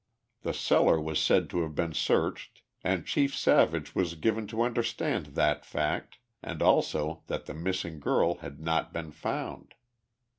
The cellar was said to have been searched, and Chief Savage was given to understand that fact and also that the missing girl had not been found.